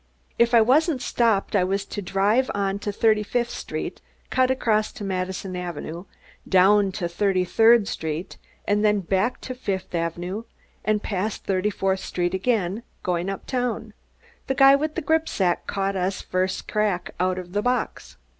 If I wasn't stopped I was to drive on to Thirty fifth Street, cut across to Madison Avenue, down to Thirty third Street, then back to Fifth Avenue and past Thirty fourth Street again, going uptown. The guy with the gripsack caught us first crack out of the box."